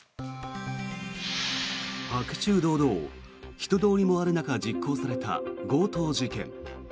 白昼堂々、人通りもある中実行された強盗事件。